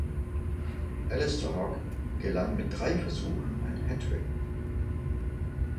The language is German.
Allister Hogg gelang mit drei Versuchen ein Hattrick.